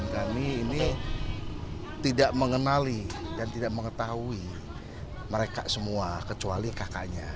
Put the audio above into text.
kami ini tidak mengenali dan tidak mengetahui mereka semua kecuali kakaknya